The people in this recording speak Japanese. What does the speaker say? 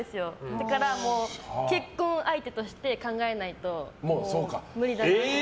だから結婚相手として考えないと無理だなって。